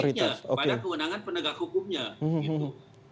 harusnya pada kewenangan penegak hukumnya gitu